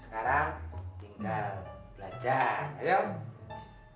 sekarang tinggal belajar lo ya pak